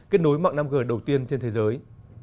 kết nối mạng năm g đầu tiên trên thế giới